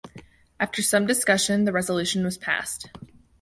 After some discussion the resolution was passed.